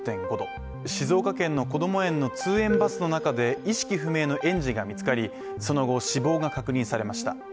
静岡県のこども園の通園バスの中で意識不明の園児が見つかりその後、死亡が確認されました。